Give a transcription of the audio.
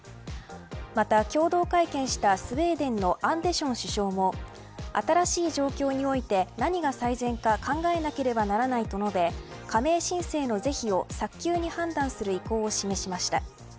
また、共同会見したスウェーデンのアンデション首相も新しい状況において何が最善か考えなければならないと述べ加盟申請の是非を早急に判断する意向を示しました。